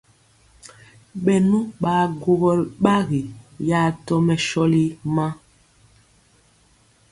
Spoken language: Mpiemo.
Bɛnu baguɔgo ye gbagi ya tɔmɛ shóli maa.